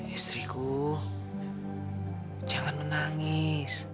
istriku jangan menangis